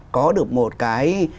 có được một cái